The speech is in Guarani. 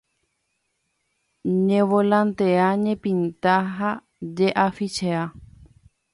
Ñevolantea ñepinta ha jeʼafichea.